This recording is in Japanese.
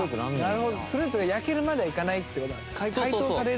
フルーツが焼けるまではいかないって事なんですね。